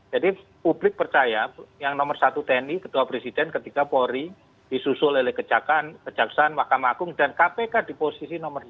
jadi publik percaya yang nomor satu teni ketua presiden ketiga polri disusul oleh kejaksaan wakam agung dan kpk di posisi nomor delapan